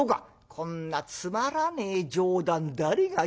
「こんなつまらねえ冗談誰が言いますか」。